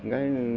nghe cô ấy chết